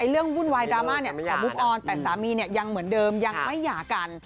วุ่นวายดราม่าของมุกออนแต่สามียังเหมือนเดิมยังไม่หย่ากัน